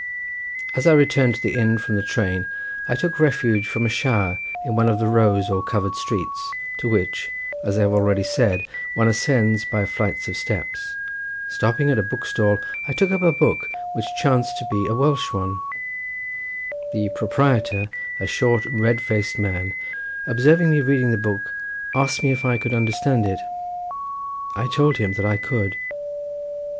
As I returned to the inn from the train I took refuge from a shower in one of the rows or covered streets, to which, as I have already said, one ascends by flights of steps; stopping at a book stall I took up a book which chanced to be a Welsh one—the proprietor, a short red faced man, observing me reading the book, asked me if I could understand it. I told him that I could.